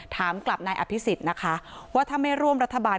ถามกลับนายอภิษฎนะคะว่าถ้าไม่ร่วมรัฐบาล